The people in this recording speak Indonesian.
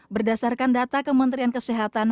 berdasarkan data kementerian kesehatan